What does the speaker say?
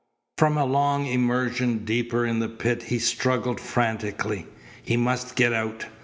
From a long immersion deeper in the pit he struggled frantically. He must get out.